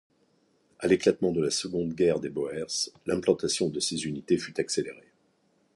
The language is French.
À l’éclatement de la Seconde Guerre des Boers, l’implantation de ces unités fut accélérée.